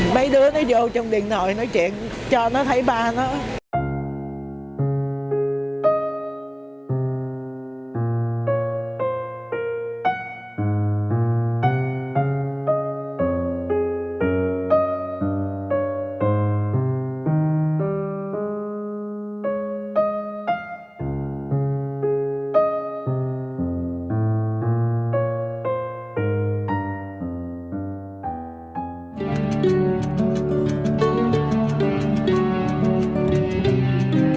mấy đứa nó vô trong điện thoại nói chuyện mấy đứa nó vô trong điện thoại nói chuyện